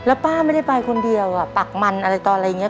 แล้วป้าไม่ได้ไปคนเดียวอ่ะปักมันอะไรต่ออะไรอย่างนี้